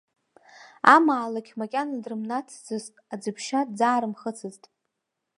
Амаалықь макьана дрымнаҭцызт, аӡыԥшьа дӡаарымхыцызт.